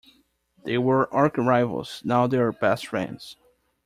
They were arch rivals, now they're best friends.